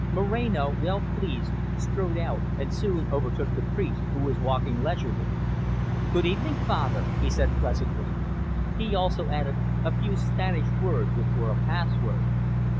Moreno, well pleased, strode out, and soon overtook the priest, who was walking leisurely. "Good evening, Father," he said pleasantly. He also added a few Spanish words which were a password.